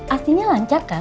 aslinya lancar kan